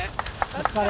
お疲れ。